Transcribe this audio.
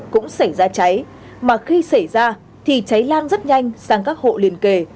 cũng xảy ra cháy mà khi xảy ra thì cháy lan rất nhanh sang các hộ liền kề